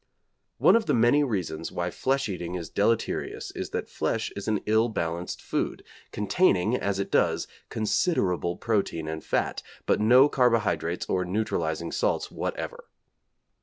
One of the many reasons why flesh eating is deleterious is that flesh is an ill balanced food, containing, as it does, considerable protein and fat, but no carbohydrates or neutralising salts whatever.